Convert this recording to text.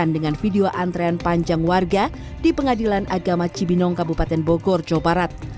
dengan video antrean panjang warga di pengadilan agama cibinong kabupaten bogor jawa barat